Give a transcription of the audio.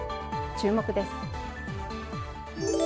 注目です。